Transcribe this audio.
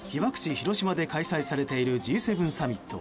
・広島で開催されているＧ７サミット。